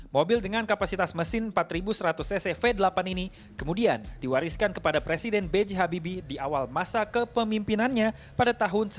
mobil dengan kapasitas mesin empat seratus cc v delapan ini kemudian diwariskan kepada presiden bghbb di awal masa kepemimpinannya pada tahun seribu sembilan ratus delapan puluh